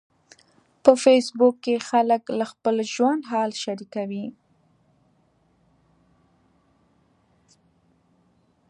په فېسبوک کې خلک له خپل ژوند حال شریکوي.